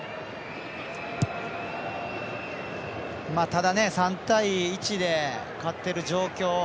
ただ、３対１で勝ってる状況。